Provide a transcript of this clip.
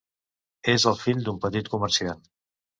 És el fill d'un petit comerciant.